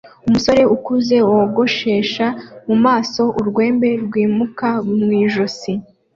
Umusore ukuze wogoshesha mu maso urwembe rwimuka mu ijosi